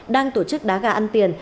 đang tổ chức đá gà ăn tiền